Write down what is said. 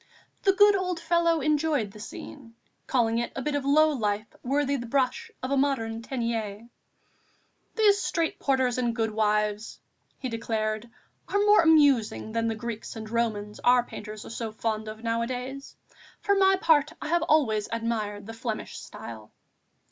The good old fellow enjoyed the scene, calling it a bit of low life worthy the brush of a modern Teniers. "These street porters and goodwives," he declared, "are more amusing than the Greeks and Romans our painters are so fond of nowadays. For my part, I have always admired the Flemish style."